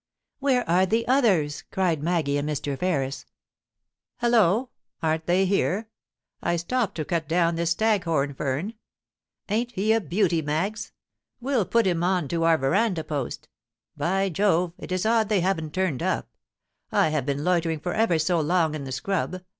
* Where are the others ?* cried Maggie and Mr. Ferris. * Hullo ! aren't they here ? I stopped to cut down this staghom fern. Ain't he a beauty, Mags ? We'll put him on to our verandah post By Jove, it is odd they haven't turned up ! I have been loitering for ever so long in the scrub.